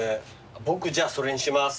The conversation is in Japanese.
僕じゃあそれにします。